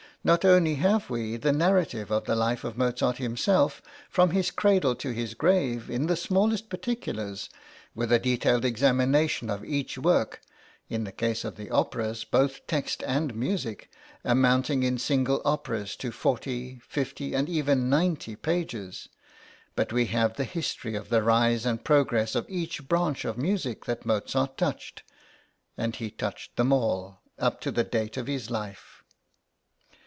Not only have we the narrative of the life of Mozart himself from his cradle to his grave in the smallest particulars, with a detailed examination of each work in the case of the operas, both text and music, amounting in single operas to forty, fifty, and even ninety pages but we have the history of the rise and progress of each branch of music that Mozart touched and he touched them all up to the date of his life.